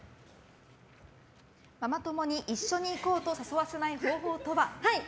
ママ友に一緒に行こうと誘わせない方法とは？